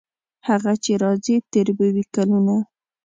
هغه چې راځي تیر به وي کلونه.